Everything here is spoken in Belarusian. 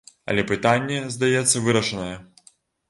Але пытанне, здаецца, вырашанае.